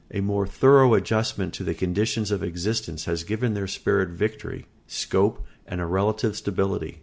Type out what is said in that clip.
A more thorough adjustment to the conditions of existence has given their spirit victory, scope, and a relative stability.